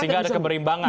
sehingga ada keberimbangan